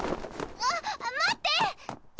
あっ待って！